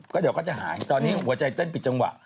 ก็เดี๋ยวก็จะหายตอนนี้หัวใจเต้นผิดจังหวะ